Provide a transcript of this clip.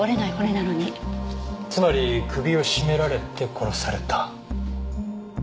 つまり首を絞められて殺された。